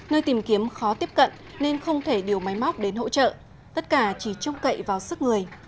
nơi tìm kiếm khó tiếp cận nên không thể điều máy móc đến hỗ trợ tất cả chỉ trông cậy vào sức người